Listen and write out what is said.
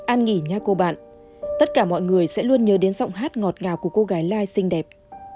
an nghỉ nhà cô bạn tất cả mọi người sẽ luôn nhớ đến giọng hát ngọt ngào của cô gái lai xinh đẹp